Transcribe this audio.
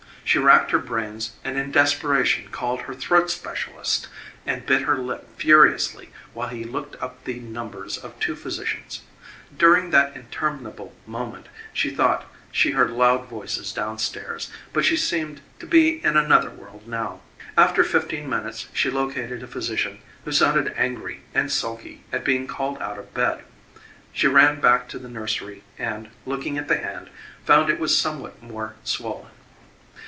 She racked her brains and in desperation called her throat specialist, and bit her lip furiously while he looked up the numbers of two physicians. During that interminable moment she thought she heard loud voices down stairs but she seemed to be in another world now. After fifteen minutes she located a physician who sounded angry and sulky at being called out of bed. She ran back to the nursery and, looking at the hand, found it was somewhat more swollen.